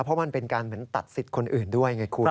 เพราะมันเป็นการเหมือนตัดสิทธิ์คนอื่นด้วยไงคุณ